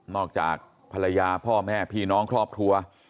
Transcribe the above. จากภรรยาพ่อแม่พี่น้องครอบครัว